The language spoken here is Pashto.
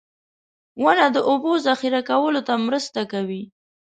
• ونه د اوبو ذخېره کولو ته مرسته کوي.